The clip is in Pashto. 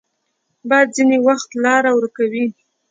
باد ځینې وخت لاره ورکوي